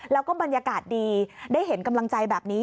แล้วก็บรรยากาศดีได้เห็นกำลังใจแบบนี้